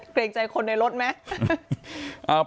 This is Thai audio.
เกรงใจคนในรถไหม